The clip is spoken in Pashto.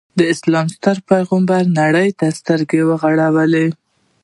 د اسلام ستر پیغمبر نړۍ ته سترګې وغړولې.